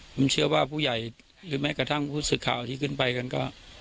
ผมเชื่อว่าผู้ใหญ่หรือแม้กระทั่งผู้สื่อข่าวที่ขึ้นไปกันก็